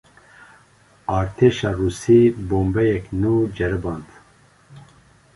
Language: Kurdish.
Artêşa Rûsî, bombeyek nû ceriband